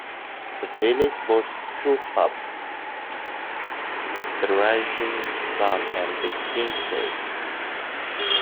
The village boasts two pubs: The Rising Sun and The Kings Head.